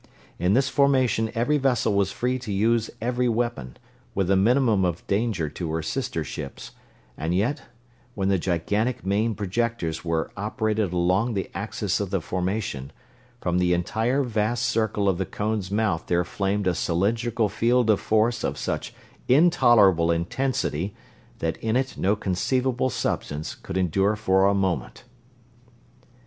In this formation every vessel was free to use her every weapon, with a minimum of danger to her sister ships; and yet, when the gigantic main projectors were operated along the axis of the formation, from the entire vast circle of the cone's mouth there flamed a cylindrical field of force of such intolerable intensity that in it no conceivable substance could endure for a moment!